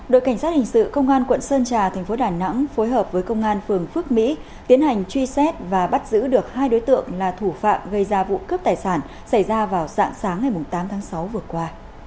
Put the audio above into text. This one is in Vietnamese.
đội cảnh sát hình sự công an quận sơn trà thành phố đà nẵng phối hợp với công an phường phước mỹ tiến hành truy xét và bắt giữ được hai đối tượng là thủ phạm gây ra vụ cướp tài sản xảy ra vào dạng sáng ngày tám tháng sáu vừa qua